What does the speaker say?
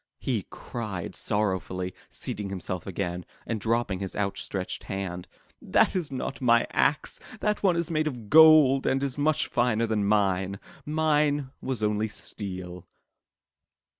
he cried sorrowfully, seating himself again, and dropping his outstretched hand. "That is not my axe. That one is made of gold and is much finer than mine. Mine was only steel."